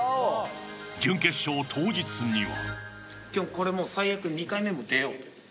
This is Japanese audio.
準決勝当日には。